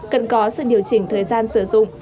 cần có sự điều chỉnh thời gian sử dụng